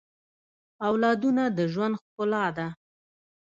اولادونه د ژوند ښکلا ده